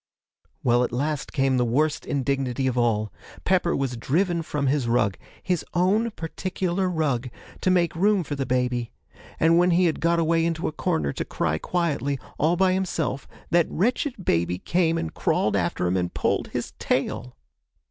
'Well, at last came the worst indignity of all: Pepper was driven from his rug his own particular rug to make room for the baby; and when he had got away into a corner to cry quietly, all by himself, that wretched baby came and crawled after him and pulled his tail!